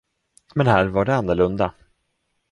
Men här var det annorlunda.